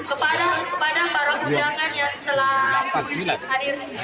kepada para undangan yang diberikan